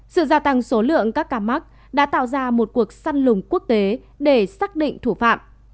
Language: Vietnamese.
sự gia tăng số lượng các ca mắc đã tạo ra một cuộc săn lùng quốc tế để xác định thủ phạm